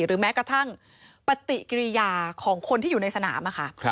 แม้กระทั่งปฏิกิริยาของคนที่อยู่ในสนาม